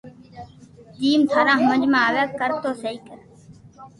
جيم ٿني ھمج مي آوي ڪر تو سھي ڪر